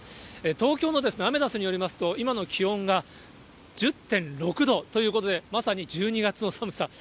東京のアメダスによりますと、今の気温が１０．６度ということで、まさに１２月の寒さ。